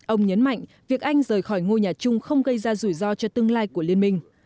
ông nhấn mạnh việc anh rời khỏi ngôi nhà chung không gây ra rủi ro cho tương lai của liên minh